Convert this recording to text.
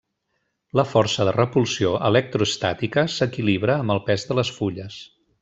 La força de repulsió electroestàtica s'equilibra amb el pes de les fulles.